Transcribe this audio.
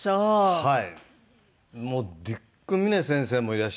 はい。